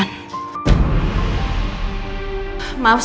ini tidak dapat